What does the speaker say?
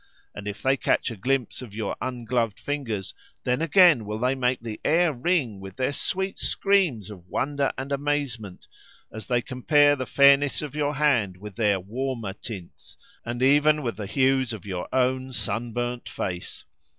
And if they catch a glimpse of your ungloved fingers, then again will they make the air ring with their sweet screams of wonder and amazement, as they compare the fairness of your hand with their warmer tints, and even with the hues of your own sunburnt face.